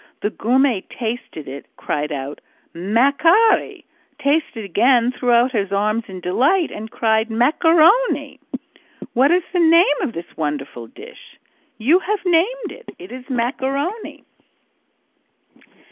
The gourmet tasted it, cried out "macari!" Tasted again, threw out his arms in delight and cried "macaroni!" "What is the name of this wonderful dish?" "You have named it. It is macaroni."